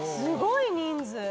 すごい人数。